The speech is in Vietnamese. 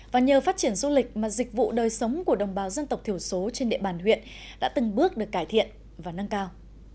và nhờ phát triển du lịch mà dịch vụ đời sống của đồng bào dân tộc thiểu số trên địa bàn huyện đã từng bước được cải thiện và nâng cao